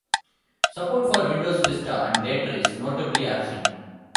Support for Windows Vista and later is notably absent.